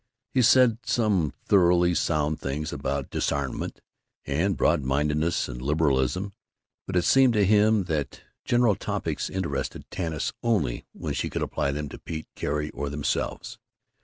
He said some thoroughly sound things about Disarmament, and broad mindedness and liberalism; but it seemed to him that General Topics interested Tanis only when she could apply them to Pete, Carrie, or themselves.